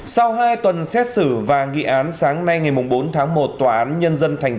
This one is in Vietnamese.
sau hai tuần xét xử và nghị án sáng nay ngày bốn tháng một tòa án nhân dân tp